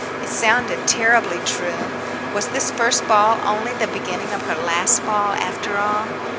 It sounded terribly true. Was this first ball only the beginning of her last ball, after all?